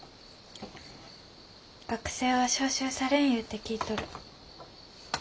学生は召集されんいうて聞いとる。